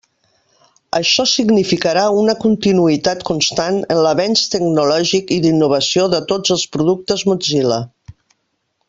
Això significarà una continuïtat constant en l'avanç tecnològic i d'innovació de tots els productes Mozilla.